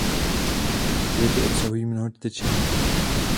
Květy obsahují mnoho tyčinek.